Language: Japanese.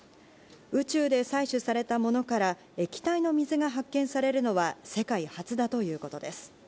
宇宙で採取されたものから液体の水が発見されるのは世界初だということです。